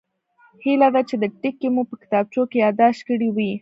هیله ده چې دا ټکي مو په کتابچو کې یادداشت کړي وي